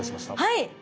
はい。